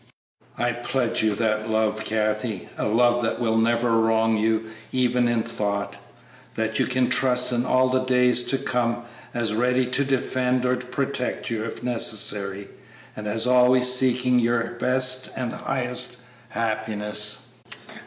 I pledge you that love, Kathie; a love that will never wrong you even in thought; that you can trust in all the days to come as ready to defend or protect you if necessary, and as always seeking your best and highest happiness."